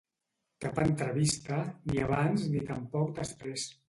Cap entrevista, ni abans ni tampoc després.